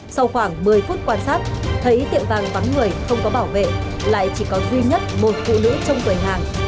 sau khoảng một mươi phút quan sát thấy tiệm vàng vắng người không có bảo vệ lại chỉ có duy nhất một phụ nữ trong quầy hàng